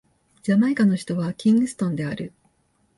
ジャマイカの首都はキングストンである